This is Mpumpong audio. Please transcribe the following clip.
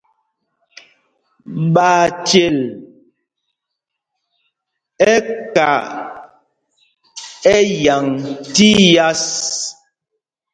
Ɓachyel ɛ́ ka ɛyǎŋ tí yas.